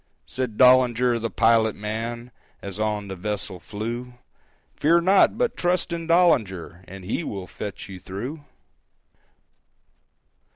Said Dollinger, the pilot man, As on the vessel flew, "Fear not, but trust in Dollinger, And he will fetch you through."